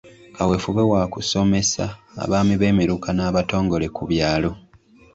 Kaweefube waakusomesa abaami b'emiruka n'abatongole ku byalo.